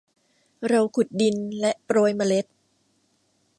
เราขุดดินและโปรยเมล็ด